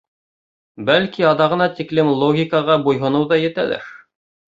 Бәлки, аҙағына тиклем логикаға буйһоноу ҙа етәлер.